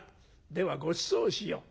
ではごちそうしよう。